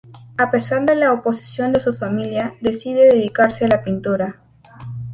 A pesar de la oposición de su familia decide dedicarse a la pintura.